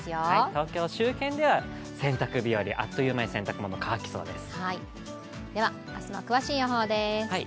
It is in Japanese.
東京周辺では洗濯日和あっという間に洗濯物乾きそうです。